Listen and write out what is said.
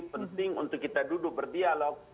penting untuk kita duduk berdialog